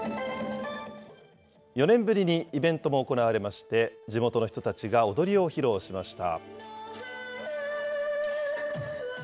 ４年ぶりにイベントも行われまして、地元の人たちが踊りを披露しました。